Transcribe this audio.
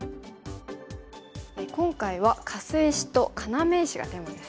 今回はカス石と要石がテーマですね。